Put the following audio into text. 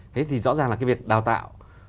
thế thì rõ ràng là cái việc đào tạo